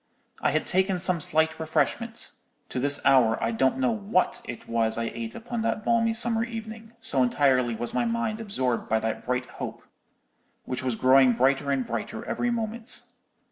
I had taken some slight refreshment—to this hour I don't know what it was I ate upon that balmy summer evening, so entirely was my mind absorbed by that bright hope, which was growing brighter and brighter every moment.